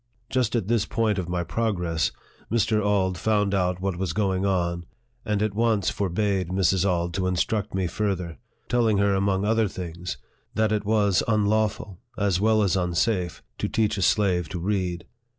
Just at this point of my progress, Mr. Auld found out what was going on, and at once forbade Mrs. Auld to instruct me further, telling her, among other things, that it was unlawful, as well as unsafe, to teach a slave to read.